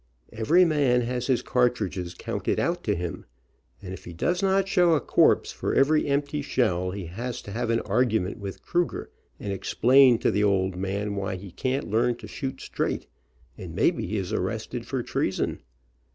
Every man has his cartridges counted out to him, and if he does not show a corpse for every empty shell, he has to have an argument with Kruger, and explain to the old man why he can't learn to shoot straight, and maybe he is arrested for treason.